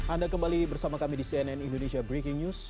anda kembali bersama kami di cnn indonesia breaking news